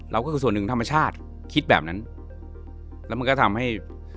ก็คือส่วนหนึ่งธรรมชาติคิดแบบนั้นแล้วมันก็ทำให้